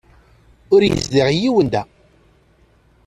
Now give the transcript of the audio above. Ur yezdiɣ yiwen da.